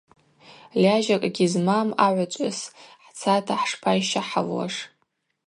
Льажьакӏгьи змам, агӏвычӏвгӏвыс хӏцата хӏшпайщахӏалуаш.